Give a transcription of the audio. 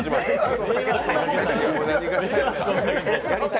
何がしたいのか。